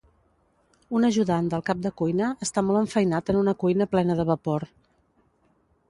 Un ajudant del cap de cuina està molt enfeinat en una cuina plena de vapor.